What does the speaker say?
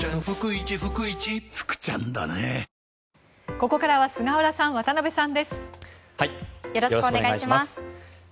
ここからは菅原さん、渡辺さんです。